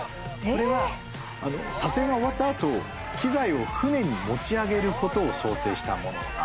これは撮影が終わったあと機材を船に持ち上げることを想定したものなんです。